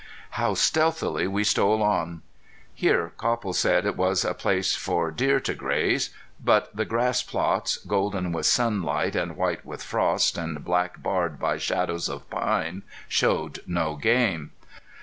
How stealthily we stole on! Here Copple said was a place for deer to graze. But the grass plots, golden with sunlight and white with frost and black barred by shadows of pines, showed no game.